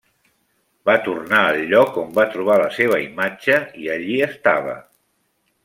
Va tornar al lloc on va trobar la seva imatge i allí estava.